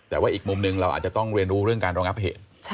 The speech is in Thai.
แต่ว่าอีกมุมหนึ่งเราอาจจะต้องเรียนรู้เรื่องการรองับเหตุ